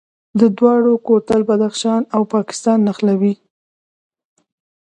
د دوراه کوتل بدخشان او پاکستان نښلوي